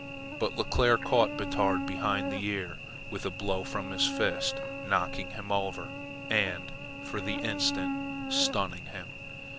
But Leclere caught Batard behind the ear with a blow from his fist, knocking him over, and, for the instant, stunning him.